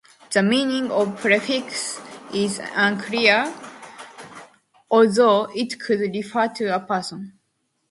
The meaning of the prefix is unclear, although it could refer to a person.